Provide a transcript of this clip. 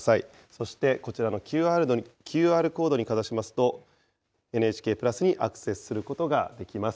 そしてこちらのＱＲコードにかざしますと、ＮＨＫプラスにアクセスすることができます。